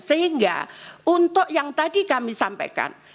sehingga untuk yang tadi kami sampaikan